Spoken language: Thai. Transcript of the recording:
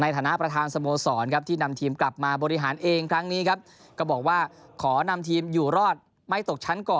ฐานะประธานสโมสรครับที่นำทีมกลับมาบริหารเองครั้งนี้ครับก็บอกว่าขอนำทีมอยู่รอดไม่ตกชั้นก่อน